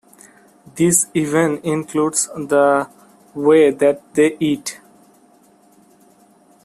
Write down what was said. This even includes the way that they eat.